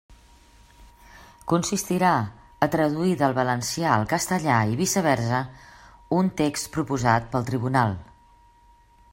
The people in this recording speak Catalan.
Consistirà a traduir del valencià al castellà i viceversa un text proposat pel tribunal.